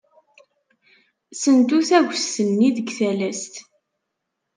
Sentu tagest-nni deg talast.